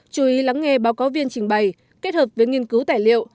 chú ý lắng nghe báo cáo viên trình bày kết hợp với nghiên cứu tài liệu